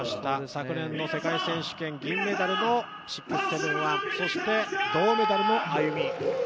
昨年の世界選手権銀メダルの６７１、そして、銅メダルのＡＹＵＭＩ。